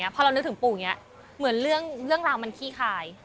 พอเรานึกถึงปู่อย่างนี้เหมือนเรื่องราวมันขี้คาย